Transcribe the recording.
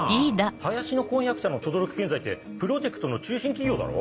林の婚約者の等々力建材ってプロジェクトの中心企業だろ。